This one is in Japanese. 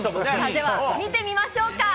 では見てみましょうか。